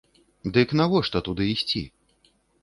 Дык навошта туды ісці?